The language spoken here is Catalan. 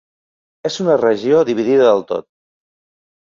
És una regió dividida del tot.